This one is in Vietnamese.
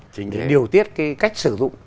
để điều tiết cái cách sử dụng